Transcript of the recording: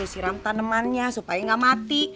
suruh siram tanemannya supaya gak mati